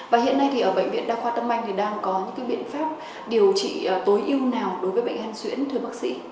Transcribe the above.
và hiện nay thì ở bệnh viện đa khoa tâm anh thì đang có những biện pháp điều trị tối ưu nào đối với bệnh hen xuyễn thưa bác sĩ